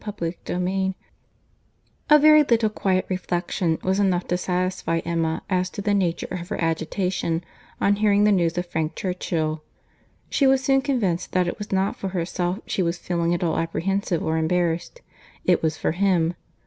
VOLUME III CHAPTER I A very little quiet reflection was enough to satisfy Emma as to the nature of her agitation on hearing this news of Frank Churchill. She was soon convinced that it was not for herself she was feeling at all apprehensive or embarrassed; it was for him.